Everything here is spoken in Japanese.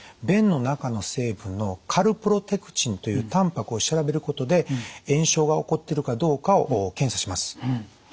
便の中の成分のカルプロテクチンというたんぱくを調べることで炎症が起こってるかどうかを検査します。